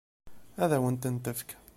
Ad wen-ten-tefk?